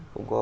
không có ông